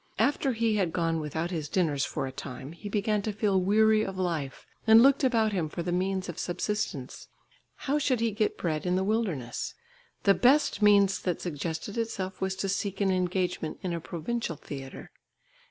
After he had gone without his dinners for a time, he began to feel weary of life, and looked about him for the means of subsistence. How should he get bread in the wilderness? The best means that suggested itself was to seek an engagement in a provincial theatre.